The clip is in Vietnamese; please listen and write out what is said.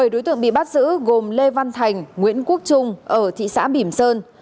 bảy đối tượng bị bắt giữ gồm lê văn thành nguyễn quốc trung ở thị xã bỉm sơn